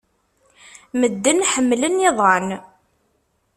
Medden ḥemmlen iḍan.